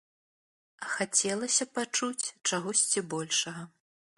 А хацелася пачуць чагосьці большага.